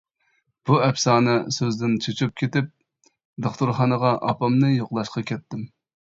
بۇ ئەپسانە سۆزدىن چۆچۈپ كېتىپ، دوختۇرخانىغا ئاپامنى يوقلاشقا كەتتىم.